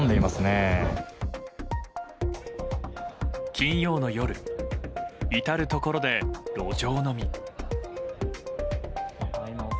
金曜の夜至るところで路上飲み。